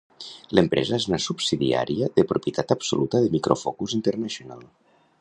L'empresa és una subsidiària de propietat absoluta de Micro Focus International.